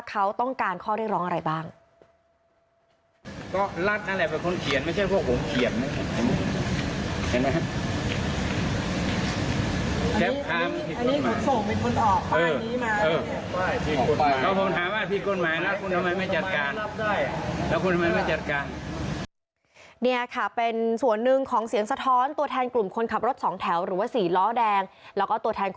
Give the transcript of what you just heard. เขาต้องการข้อเรียกร้องอะไรบ้าง